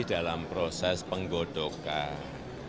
dalam proses penggodokan